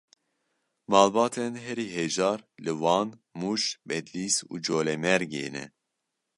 Malbatên herî hejar li Wan, Mûş, Bedlîs û Colemêrgê ne.